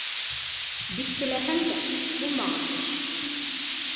Бик теләһәң дә, булмаған эш.